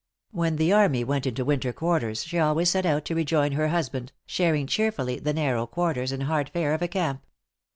When the army went into winter quarters, she always set out to rejoin her husband, sharing cheerfully the narrow quarters and hard fare of a camp.